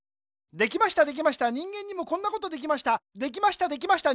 できましたできました人間にもこんなことできました。